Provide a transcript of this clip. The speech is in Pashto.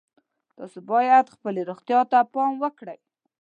تاسو باید خپلې روغتیا ته پام وکړئ